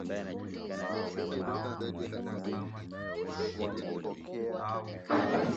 magumu machoni pa Tsar pa makabaila na pa maaskofu wa Kanisa la